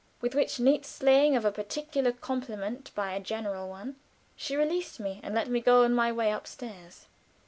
With which neat slaying of a particular compliment by a general one, she released me, and let me go on my way upstairs.